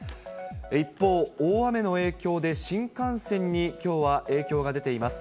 一方、大雨の影響で新幹線にきょうは影響が出ています。